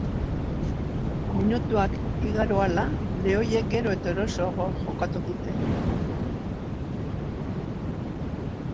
Minutuak igaro ahala, lehoiek gero eta erosoago jokatu dute.